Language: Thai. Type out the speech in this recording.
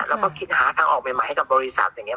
แล้วก็คิดหาทางออกใหม่ให้กับบริษัทอย่างนี้